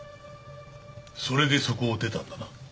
それでそこを出たんだな？